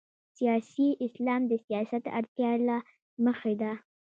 سیاسي اسلام د سیاست اړتیا له مخې ده.